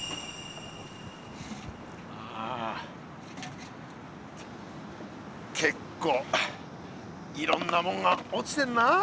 ああ結構いろんなもんが落ちてんなあ。